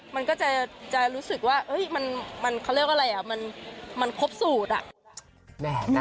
มันก็จะรู้สึกว่ามันเขาเรียกว่าอะไรอ่ะมันครบสูตรอะ